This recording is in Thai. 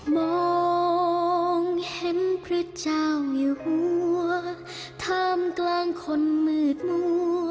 มองเห็นพระเจ้าอยู่หัวท่ามกลางคนมืดมัว